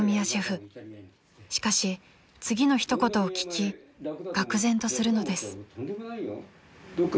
［しかし次の一言を聞きがく然とするのです］